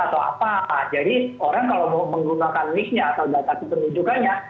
atau apa jadi orang kalau mau menggunakan mix nya atau data kepemudukannya